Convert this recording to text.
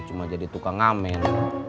cuma jadi tukang amin